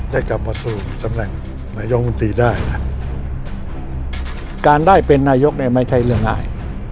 ได้กลับมาสู้สำหรับนายองมูลตีได้ล่ะการได้เป็นนายกในไม้ไทยเรื่องไหน